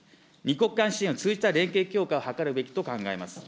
２国間支援を通じた連携強化を図るべきと考えます。